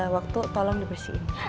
waktu tolong dibersihin